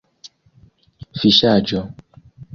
fiŝaĵo